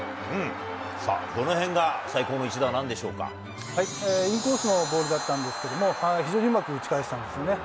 どのへんが最高の一打なんでインコースのボールだったんですけど、非常にうまく打ち返したんですよね。